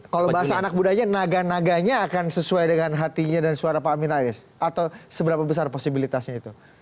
kalau bahasa anak mudanya naga naganya akan sesuai dengan hatinya dan suara pak amin rais atau seberapa besar posibilitasnya itu